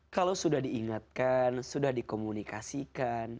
kalau sudah diingatkan sudah dikomunikasikan